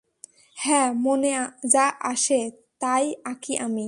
হ্যাঁ, মনে যা আসে, তাই আঁকি আমি।